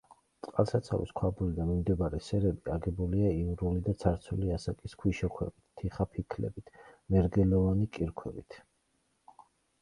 წყალსაცავის ქვაბული და მიმდებარე სერები აგებულია იურული და ცარცული ასაკის ქვიშაქვებით, თიხაფიქლებით, მერგელოვანი კირქვებით.